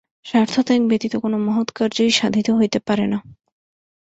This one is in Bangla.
স্বার্থত্যাগ ব্যতীত কোন মহৎ কার্যই সাধিত হইতে পারে না।